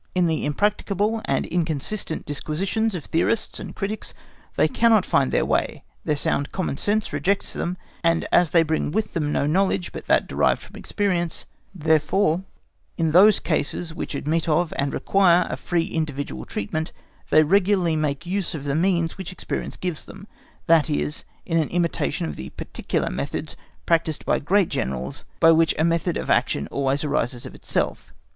In the impracticable and inconsistent disquisitions of theorists and critics they cannot find their way, their sound common sense rejects them, and as they bring with them no knowledge but that derived from experience, therefore in those cases which admit of, and require, a free individual treatment they readily make use of the means which experience gives them—that is, an imitation of the particular methods practised by great Generals, by which a method of action then arises of itself.